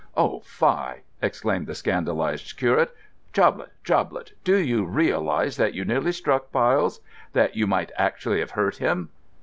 "Oh! fie!" exclaimed the scandalised curate. "Joblett! Joblett! Do you realise that you nearly struck Byles? That you might actually have hurt him?"